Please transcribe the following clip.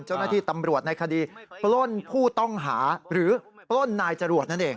เจ้าหน้าที่ตำรวจในคดีปล้นผู้ต้องหาหรือปล้นนายจรวดนั่นเอง